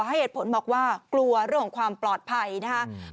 ให้เหตุผลบอกว่ากลัวเรื่องของความปลอดภัยนะครับ